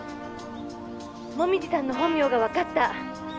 「紅葉さんの本名がわかった」